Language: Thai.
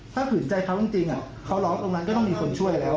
ถ้าขืนใจเขาจริงเขาร้องตรงนั้นก็ต้องมีคนช่วยแล้ว